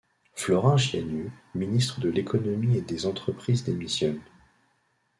Florin Jianu, ministre de l'Économie et des Entreprises, démissionne.